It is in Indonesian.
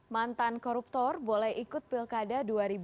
mantan koruptor boleh ikut pilkada dua ribu dua puluh